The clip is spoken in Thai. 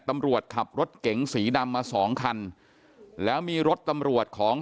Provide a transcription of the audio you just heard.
ตำรวจขับรถเก๋งสีดำมาสองคันแล้วมีรถตำรวจของ